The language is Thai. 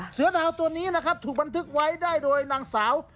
เสือดาวตัวนี้นะครับถูกบันทึกไว้ได้โดยนางสาว